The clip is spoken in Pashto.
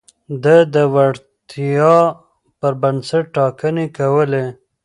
ده د وړتيا پر بنسټ ټاکنې کولې.